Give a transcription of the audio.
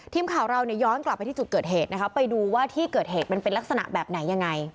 ทีมข่าวเราเนี่ยย้อนกลับไปที่จุดเกิดเหตุนะคะไปดูว่าที่เกิดเหตุมันเป็นลักษณะแบบไหนยังไง